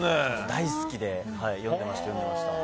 大好きで読んでました。